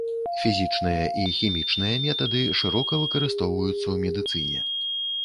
Фізічныя і хімічныя метады шырока выкарыстоўваюцца ў медыцыне.